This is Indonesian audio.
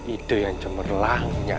itu yang cemerlangnya